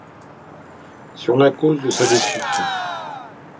sur la cause de sa destruction.